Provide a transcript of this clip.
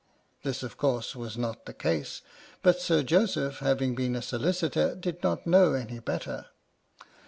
This, of course, was not the case, but Sir Joseph, having been a solicitor, did not know any better.